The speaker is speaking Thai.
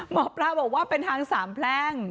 หมอปลาบอกว่าเป็นทางสามแพร่ง